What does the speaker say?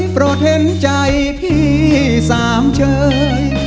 โปรดเห็นใจพี่สามเชย